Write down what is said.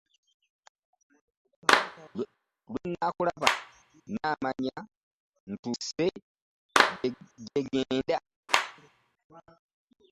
Lwe nkulaba namanya ntuuse gye ŋŋenda.